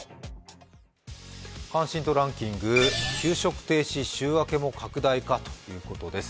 関心度ランキング、給食停止週明けも拡大化ということです。